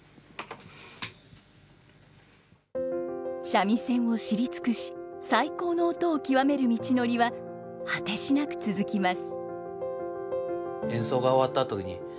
三味線を知り尽くし最高の音を極める道のりは果てしなく続きます。